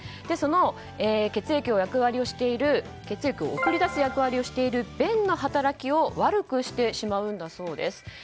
その血液を送り出す役割をしている弁の働きを悪くしてしまうんだそうです。